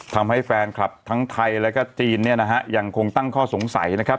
ทำให้แฟนคลับทั้งไทยและกับจีนยังคงตั้งข้อสงสัยนะครับ